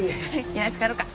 よし帰ろうか。